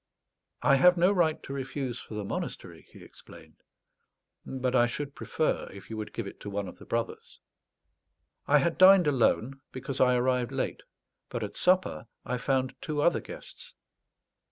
"I have no right to refuse for the monastery," he explained, "but I should prefer if you would give it to one of the brothers." I had dined alone, because I arrived late; but at supper I found two other guests.